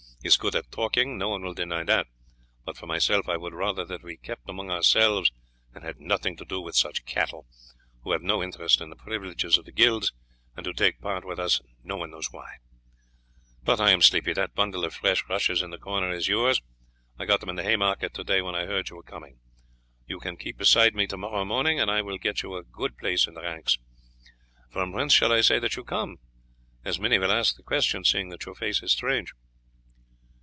He is good at talking, no one will deny that; but for myself I would rather that we kept among ourselves and had nothing to do with such cattle, who have no interest in the privileges of the guilds, and who take part with us no one knows why. But I am sleepy; that bundle of fresh rushes in the corner is yours, I got them in the hay market to day when I heard that you were coming. You can keep beside me to morrow morning and I will get you a good place in the ranks. From whence shall I say that you come, as many will ask the question, seeing that your face is strange?"